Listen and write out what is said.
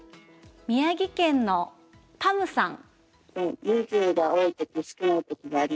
宮城県のぱむさん。